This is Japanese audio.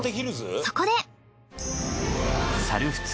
そこで。